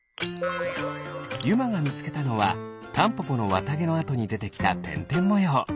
ゆまがみつけたのはタンポポのわたげのあとにでてきたてんてんもよう。